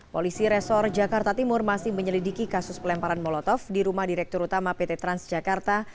polisi resor jakarta timur masih menyelidiki kasus pelemparan molotov di rumah direktur utama pt transjakarta